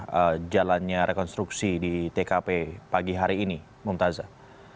bagaimana jalannya rekonstruksi di tkp pagi hari ini mumtazah